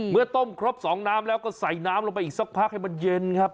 เมื่อต้มครบ๒น้ำแล้วก็ใส่น้ำลงไปอีกสักพักให้มันเย็นครับ